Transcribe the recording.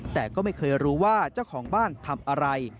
แต่ก็ไม่เคยรู้ว่าเจ้าของบ้านทำอะไร